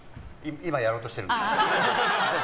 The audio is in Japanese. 今、やろうとしてるので。